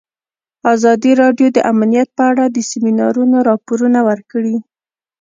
ازادي راډیو د امنیت په اړه د سیمینارونو راپورونه ورکړي.